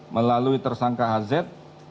melalui tersangka tj